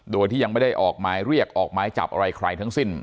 โดยที่ยังไม่ได้ออกหมายเรียกออกหมายจับอะไรใครทั้งสิ้น